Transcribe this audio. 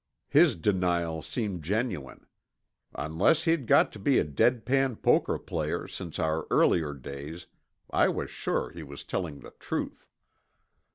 His denial seemed genuine; unless he'd got to be a dead pan poker player since our earlier days, I was sure he was telling the truth.